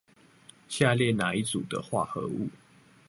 下列哪一組的化合物